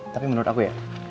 tapi menurut aku ya